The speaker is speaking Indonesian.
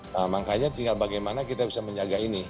nah makanya tinggal bagaimana kita bisa menjaga ini